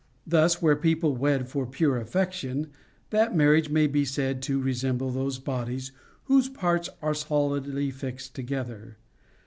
Thus, where people wed for pure affection, that marriage may be said to resemble those bodies whose parts are solidly fixed together.